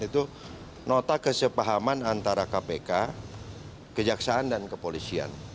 itu nota kesepahaman antara kpk kejaksaan dan kepolisian